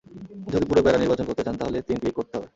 যদি পুরো প্যারা নির্বাচন করতে চান, তাহলে তিন ক্লিক করতে হবে।